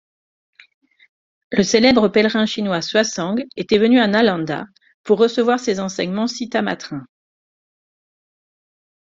Le célèbre pèlerin chinois Xuanzang était venu à Nālandā pour recevoir ses enseignements Cittamatrins.